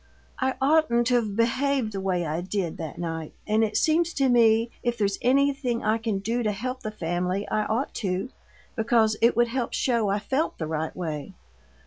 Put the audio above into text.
I oughtn't to've behaved the way I did that night, and it seems to me if there's anything I can do to help the family, I ought to, because it would help show I felt the right way.